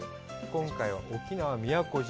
今回は沖縄・宮古島。